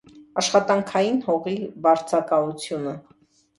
Աշխատանքային հողի վարջակալությունը։